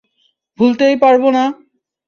ভুলতেই পারব না।